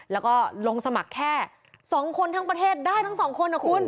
แล้วก็ลงสมัครแค่๒คนทั้งประเทศได้ทั้งสองคนนะคุณ